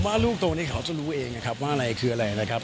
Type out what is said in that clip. ว่าลูกตัวนี้เขาจะรู้เองนะครับว่าอะไรคืออะไรนะครับ